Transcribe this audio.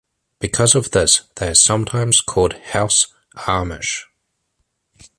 Because of this, they are sometimes called "House Amish".